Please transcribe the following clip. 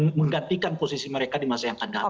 jadi untuk menggantikan posisi mereka di masa yang akan datang